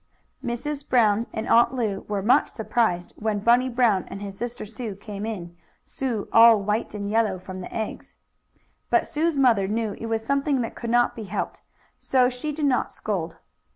Mrs. Brown and Aunt Lu were much surprised when Bunny Brown and his sister Sue came in, Sue all white and yellow from the eggs. But Sue's mother knew it was something that could not be helped, so she did not scold.